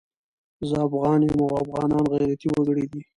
زه افغان یم او افغانان غيرتي وګړي دي